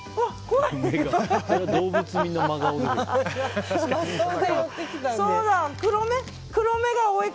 怖い！